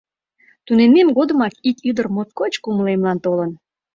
Тунеммем годымак ик ӱдыр моткоч кумылемлан толын.